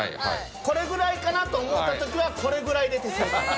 これぐらいかなと思うた時はこれぐらい入れて正解。